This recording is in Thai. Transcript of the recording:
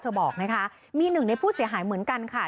บอกนะคะมีหนึ่งในผู้เสียหายเหมือนกันค่ะ